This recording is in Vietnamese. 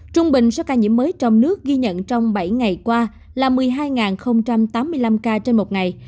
trung bình số ca nhiễm mới trong nước ghi nhận trong bảy ngày qua là một mươi hai tám mươi năm ca trên một ngày